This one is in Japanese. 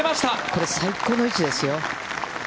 これ、最高の位置ですよ。